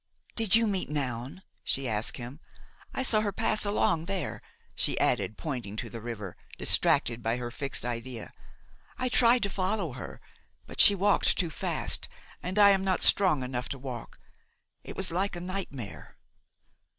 "Did you meet Noun?" she asked him. "I saw her pass along there," she added, pointing to the river, distracted by her fixed idea. "I tried to follow her, but she walked too fast, and I am not strong enough to walk. It was like a nightmare."